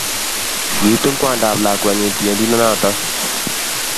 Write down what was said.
Kiitun kwandab lakwetnyi tiendindonotok.